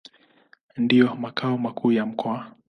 Ndio makao makuu ya mkoa.